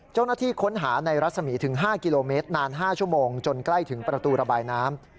เจ้าหน้าที่ค้นหาในรัศมีถึง๕กิโลเมตรนาน๕ชั่วโมงจนใกล้ถึงประตูระบายน้ำ